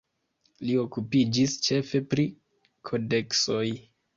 Li okupiĝis ĉefe pri kodeksoj.